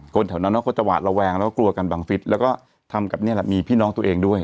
แถวนั้นเขาก็จะหวาดระแวงแล้วก็กลัวกันบังฟิศแล้วก็ทำกับนี่แหละมีพี่น้องตัวเองด้วย